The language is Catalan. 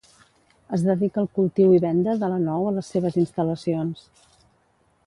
Es dedica al cultiu i venda de la nou a les seves instal·lacions.